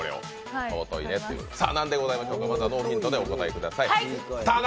まずはノーヒントでお答えください。